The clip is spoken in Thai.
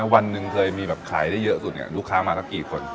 วันหนึ่งเคยมีแบบขายได้เยอะสุดเนี่ยลูกค้ามาสักกี่คน